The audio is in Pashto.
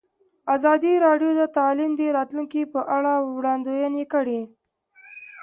ازادي راډیو د تعلیم د راتلونکې په اړه وړاندوینې کړې.